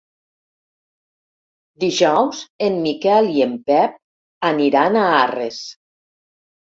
Dijous en Miquel i en Pep aniran a Arres.